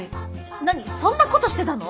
何そんなことしてたの！？